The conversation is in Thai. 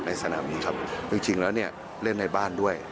สนามนี้ครับจริงแล้วเนี่ยเล่นในบ้านด้วย